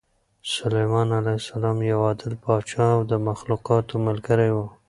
سلیمان علیه السلام یو عادل پاچا او د مخلوقاتو ملګری و.